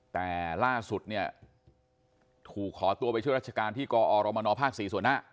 แต่ล่าสุดเนี่ยถูกขอตัวไปช่วยราชการที่กอรมนภ๔ส่วนหน้า